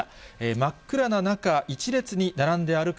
真っ暗な中、１列に並んで歩く